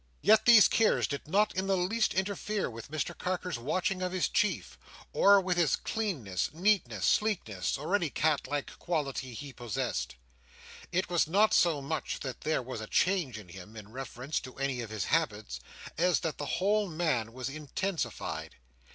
Yet these cares did not in the least interfere with Mr Carker's watching of his chief, or with his cleanness, neatness, sleekness, or any cat like quality he possessed. It was not so much that there was a change in him, in reference to any of his habits, as that the whole man was intensified.